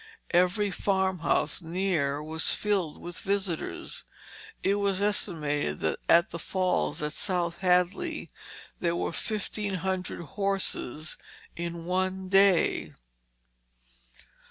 Every farmhouse near was filled with visitors. It was estimated that at the falls at South Hadley there were fifteen hundred horses in one day.